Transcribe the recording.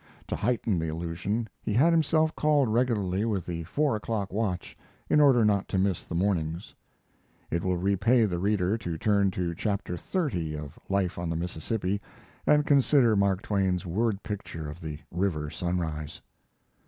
To heighten the illusion, he had himself called regularly with the four o'clock watch, in order not to miss the mornings. [It will repay the reader to turn to chap. xxx of Life on the Mississippi, and consider Mark Twain's word picture of the river sunrise.